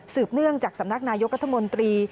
เนื่องจากสำนักนายกรัฐมนตรี